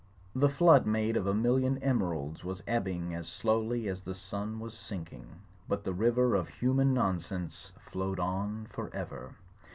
The A SERMON ON INNS 17 flood made of a million emeralds was ebbing as slowly as the sun was sinking: but the river of human non sense flowed on for ever.